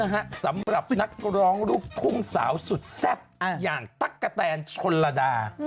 สำหรับนักร้องลูกทุ่งสาวสุดแซ่บอย่างตั๊กกะแตนชนระดา